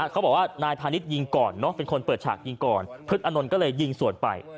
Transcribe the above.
เขาบอกว่านายพาณิชย์ยิงก่อนเป็นคนเปิดฉากยิงก่อนพฤษอานนท์ก็เลยยิงสวนไป